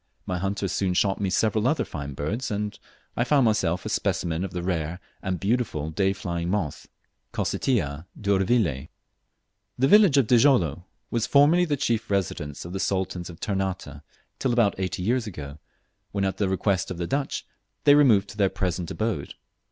My hunters soon shot me several other fine birds, and I myself found a specimen of the rare and beautiful day flying moth, Cocytia d'Urvillei. The village of Djilolo was formerly the chief residence of the Sultans of Ternate, till about eighty years ago, when at the request of the Dutch they removed to their present abode.